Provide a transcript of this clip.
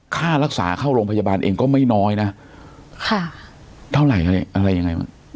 ค่ารักษาเข้าโรงพยาบาลเองก็ไม่น้อยนะค่ะเท่าไหร่คะเนี่ยอะไรยังไงมัน